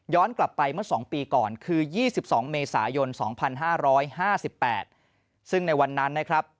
กลับไปเมื่อ๒ปีก่อนคือ๒๒เมษายน๒๕๕๘ซึ่งในวันนั้นนะครับ